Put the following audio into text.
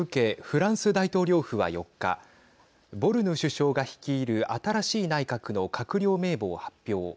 フランス大統領府は４日ボルヌ首相が率いる新しい内閣の閣僚名簿を発表。